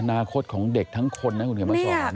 อนาคตของเด็กทั้งคนนะคุณเขียนมาสอน